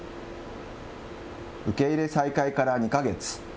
受け入れ再開から２か月。